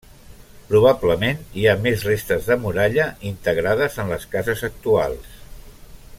Probablement hi ha més restes de muralla integrades en les cases actuals.